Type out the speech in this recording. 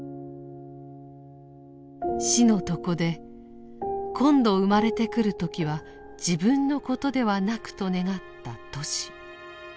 死の床で「今度生まれて来る時は自分のことではなく」と願ったトシ。